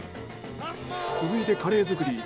続いてカレー作り。